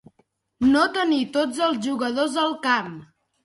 No tenir tots els jugadors al camp.